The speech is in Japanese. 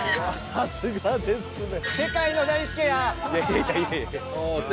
さすがですね。